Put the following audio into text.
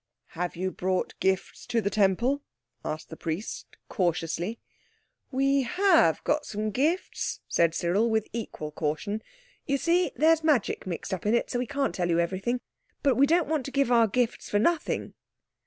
"Have you brought gifts to the Temple?" asked the priest cautiously. "We have got some gifts," said Cyril with equal caution. "You see there's magic mixed up in it. So we can't tell you everything. But we don't want to give our gifts for nothing."